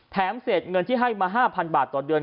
แถมเศษเงินที่ให้มา๕๐๐๐บาทต่อเดือน